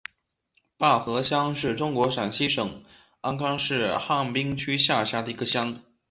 坝河乡是中国陕西省安康市汉滨区下辖的一个乡。